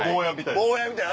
坊やみたいな。